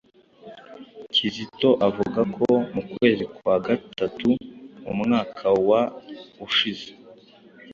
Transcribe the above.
Kizito avuga ko mu kwezi kwa gatatu mu mwaka wa ushize,